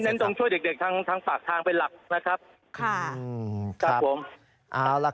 เล่นต้องช่วยเด็กทางฝากทางเป็นหลักนะครับ